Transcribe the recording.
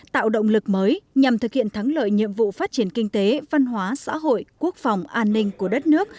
tạo động lực mới nhằm thực hiện thắng lợi nhiệm vụ phát triển kinh tế văn hóa xã hội quốc phòng an ninh của đất nước